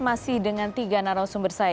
masih dengan tiga naro sumber saya